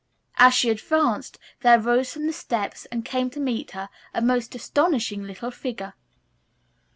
As she advanced there rose from the steps and came to meet her a most astonishing little figure.